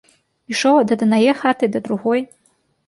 Ішоў ад аднае хаты да другой.